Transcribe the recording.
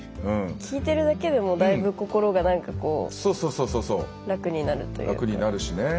聞いてるだけでもだいぶ心が楽になるというか。